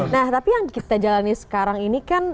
nah tapi yang kita jalani sekarang ini kan